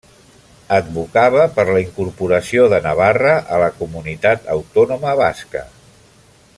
Advocava per la incorporació de Navarra a la Comunitat Autònoma Basca.